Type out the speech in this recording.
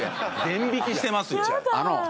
全引きしてますよ。